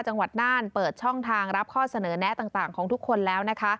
จังหวัดน่านเปิดช่องทางรับข้อเสนอแนะต่างของทุกคนแล้วนะคะ